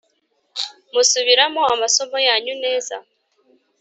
musubiramo amasomo yanyu neza .